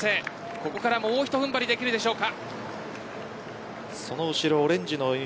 ここからもうひと踏ん張りできるでしょうか。